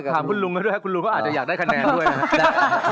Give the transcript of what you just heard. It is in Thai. ถ้าถามคุณลุงด้วยก็จะอยากได้คะแนนอ่ะ